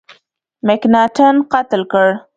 مکناټن قتل کړ.